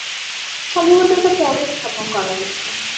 সম্ভবত এটা পরে স্থাপন করা হয়েছে।